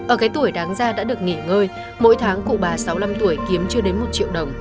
ở cái tuổi đáng ra đã được nghỉ ngơi mỗi tháng cụ bà sáu mươi năm tuổi kiếm chưa đến một triệu đồng